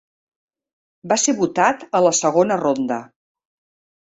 Va ser votat a la segona ronda.